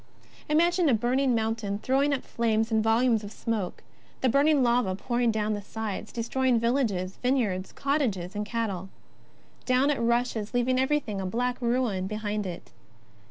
Imagine a burning mountain throwing up flames and volumes of smoke; the burning lava pouring down the sides, destroying fields, vineyards, cottages, cattle. Down it rushes, leaving everything a black ruin behind it.